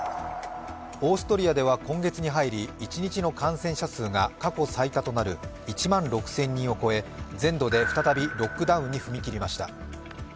オーストリアでは今月に入り、一日の感染者数が過去最多となる１万６０００人を超え全土で再びロックダウンに踏み切りました。